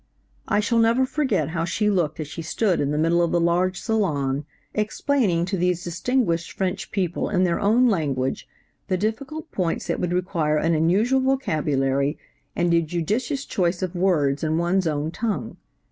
"I shall never forget how she looked as she stood in the middle of the large salon, explaining to these distinguished French people in their own language the difficult points that would require an unusual vocabulary and a judicious choice of words in one's own tongue.